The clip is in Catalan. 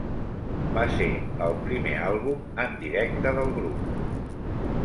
Va ser el primer àlbum en directe del grup.